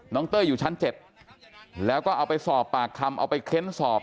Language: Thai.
เต้ยอยู่ชั้น๗แล้วก็เอาไปสอบปากคำเอาไปเค้นสอบ